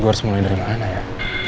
gua semua dari mana ya